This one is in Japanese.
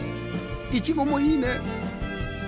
イチゴもいいね！